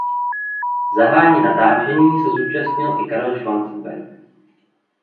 Zahájení natáčení se zúčastnil i Karel Schwarzenberg.